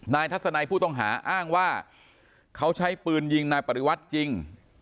ทัศนัยผู้ต้องหาอ้างว่าเขาใช้ปืนยิงนายปริวัติจริง